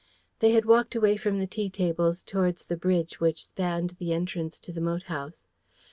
They had walked away from the tea tables towards the bridge which spanned the entrance to the moat house.